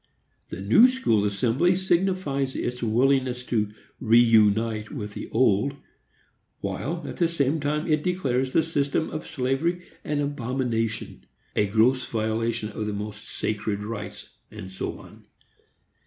The New School Assembly signifies its willingness to reünite with the Old, while, at the same time, it declares the system of slavery an abomination, a gross violation of the most sacred rights, and so on.